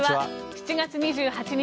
７月２８日